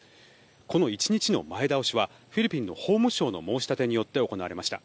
この１日の前倒しはフィリピンの法務省の申し立てによって行われました。